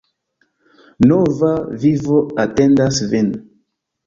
Nova vivo atendas vin!